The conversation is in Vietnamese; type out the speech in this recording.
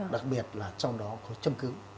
đặc biệt là trong đó có châm cứu